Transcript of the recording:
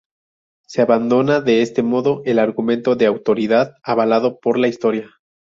Se abandona de este modo el argumento de autoridad avalado por la historia.